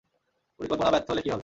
পরিকল্পনা ব্যর্থ হলে কী হবে?